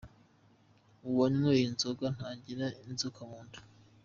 Uwanyweye inzoga ntagira inzoka mu nda